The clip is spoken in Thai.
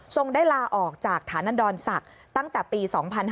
ได้ลาออกจากฐานันดรศักดิ์ตั้งแต่ปี๒๕๕๙